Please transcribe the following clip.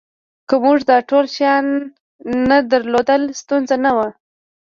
که موږ دا ټول شیان نه درلودل ستونزه نه وه